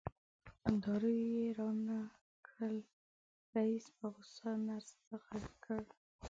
دارو یې رانه کړل رئیس په غوسه نرس ته غږ کړ.